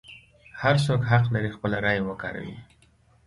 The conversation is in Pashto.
هر څوک حق لري خپله رایه وکاروي.